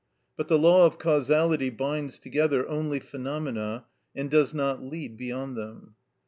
But the law of causality binds together only phenomena, and does not lead beyond them.